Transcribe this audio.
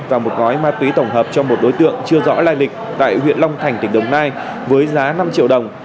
và một gói ma túy tổng hợp cho một đối tượng chưa rõ lai lịch tại huyện long thành tỉnh đồng nai với giá năm triệu đồng